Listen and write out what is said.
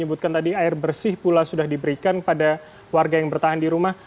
jadi air bersih pula sudah diberikan pada warga yang bertahan di rumah